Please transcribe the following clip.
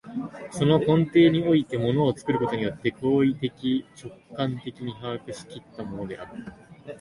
その根底において物を作ることによって行為的直観的に把握し来ったものである。